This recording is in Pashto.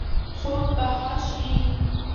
خوب به ښه شي.